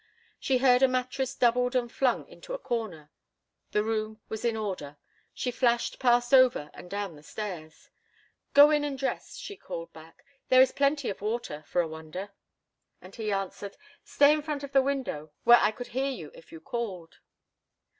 She heard a mattress doubled and flung into a corner. The room was in order. She flashed past Over and down the stairs. "Go in and dress," she called back. "There is plenty of water, for a wonder." And he answered, "Stay in front of the window, where I could hear you if you called."